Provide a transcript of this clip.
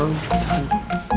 ah belum belum sakit